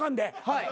はい。